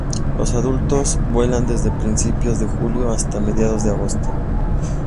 Los adultos vuelan desde principios de julio hasta mediados de agosto.